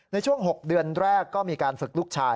ในช่วง๖เดือนแรกก็มีการฝึกลูกชาย